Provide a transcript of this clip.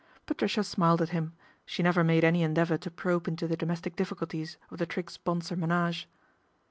Patricia smiled at him, she never made any endeavour to probe into the domestic difficulties of the Triggs Bonsor menage.